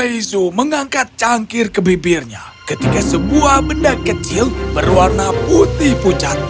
lezu mengangkat cangkir ke bibirnya ketika sebuah benda kecil berwarna putih pucat